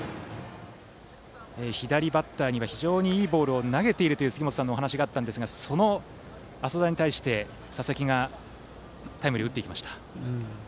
左バッターには非常にいいボールを投げているという杉本さんのお話があったんですがその淺田に対して、佐々木がタイムリーを打っていきました。